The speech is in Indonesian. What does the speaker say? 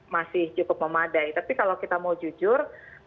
masih cukup memadai tapi kalau kita mau jujur